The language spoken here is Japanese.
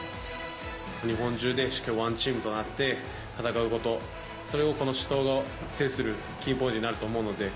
日本中でしっかりワンチームとなって戦うこと、それがこの死闘を制するキーポイントになると思うので。